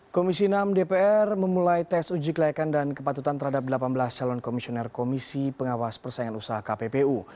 komisi enam dpr memulai tes uji kelayakan dan kepatutan terhadap delapan belas calon komisioner komisi pengawas persaingan usaha kppu